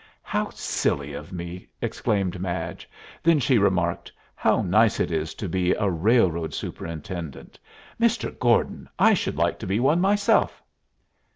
"How silly of me!" exclaimed Madge. Then she remarked, "How nice it is to be a railroad superintendent, Mr. Gordon! I should like to be one myself."